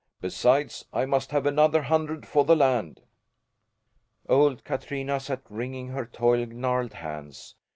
Besides, I must have another hundred for the land." Old Katrina sat wringing her toil gnarled hands.